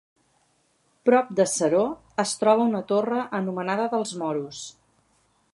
Prop de Seró es troba una torre anomenada dels Moros.